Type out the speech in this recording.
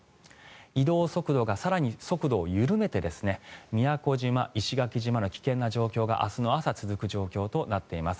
移動速度が更に速度を緩めて宮古島、石垣島など危険な状況が明日の朝続く状況となっています。